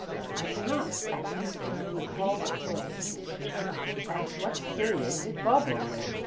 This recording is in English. I cannot at this moment recall their names." "At what period did Bobbo live?"